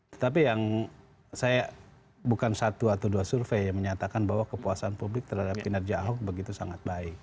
tetapi yang saya bukan satu atau dua survei yang menyatakan bahwa kepuasan publik terhadap kinerja ahok begitu sangat baik